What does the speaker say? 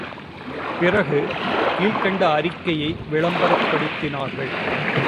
பிறகு, கீழ்க்கண்ட அறிக்கையை விளம்பரப்படுத்தினார்கள்.